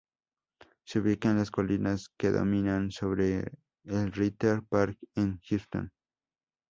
Se ubica en las colinas que dominan sobre el Ritter Park en Huntington.